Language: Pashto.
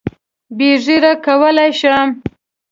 بې ږیرې کولای شم.